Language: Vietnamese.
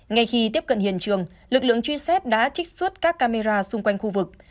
ngay khi tiếp cận hiện trường lực lượng truy xét đã trích xuất các camera xung quanh khu vực